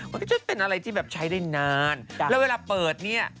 มันก็จะเป็นอะไรที่แบบใช้ได้นานแล้วเวลาเปิดเนี่ย